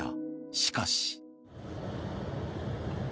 しかし。